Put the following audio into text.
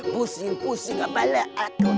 pusing pusing kepala aku